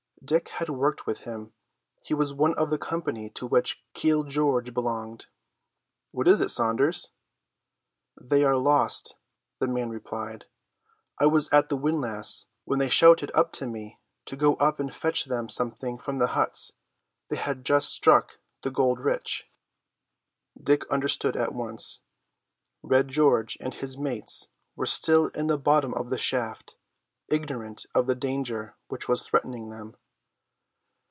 Dick had worked with him; he was one of the company to which Keel George belonged. "What is it, Saunders?" "They are lost," the man replied. "I was at the windlass when they shouted up to me to go up and fetch them something from the huts. They had just struck the gold rich." Dick understood at once. Red George and his mates were still in the bottom of the shaft, ignorant of the danger which was threatening them.